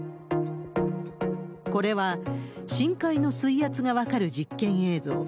これは、深海の水圧が分かる実験映像。